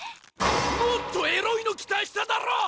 もっとエロいの期待しただろ！